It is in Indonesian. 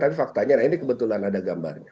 tapi faktanya ini kebetulan ada gambarnya